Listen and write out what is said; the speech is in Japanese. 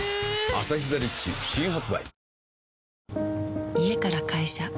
「アサヒザ・リッチ」新発売